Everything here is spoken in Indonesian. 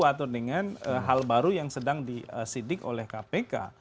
atau dengan hal baru yang sedang disidik oleh kpk